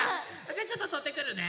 じゃあちょっととってくるね。